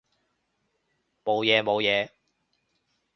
冇嘢冇嘢